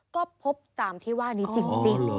ก็พบตามที่ว่านี้จริง